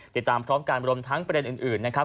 ติดตามพร้อมกันรวมทั้งประเด็นอื่นนะครับ